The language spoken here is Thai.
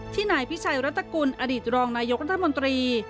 นายพิชัยรัฐกุลอดีตรองนายกรัฐมนตรี